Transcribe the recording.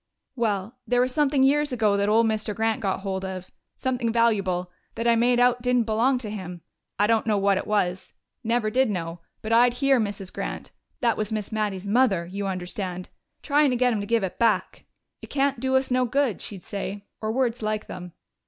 "Well, there was something years ago that old Mr. Grant got hold of something valuable that I made out didn't belong to him. I don't know what it was never did know but I'd hear Mrs. Grant that was Miss Mattie's mother, you understand tryin' to get him to give it back. 'It can't do us no good,' she'd say or words like them.